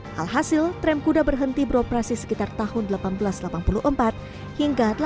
hal hasil tram kuda berhenti beroperasi sekitar tahun seribu delapan ratus delapan puluh empat hingga seribu delapan ratus delapan puluh